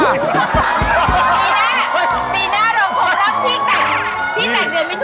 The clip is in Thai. ปีหน้า